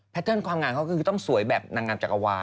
ปัตเทิร์นความงานนั้นก็คือต้องสวยแบบนางงามจ่ากาวาล